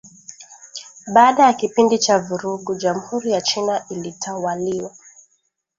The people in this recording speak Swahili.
Baada ya kipindi cha vurugu jamhuri ya China ilitawaliwa